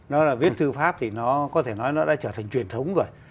nó là viên thư pháp thì nó có thể nói nó đã trở thành truyền thống rồi